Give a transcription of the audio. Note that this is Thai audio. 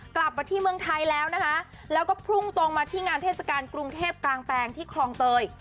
กลับมาที่เมืองไทยแล้วนะคะแล้วก็พุ่งตรงมาที่งานเทศกาลกรุงเทพกลางแปลงที่คลองเตย